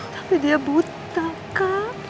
tapi dia buta kak